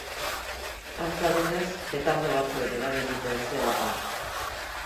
Antza denez, petardo batzuk eragin dute ezbeharra.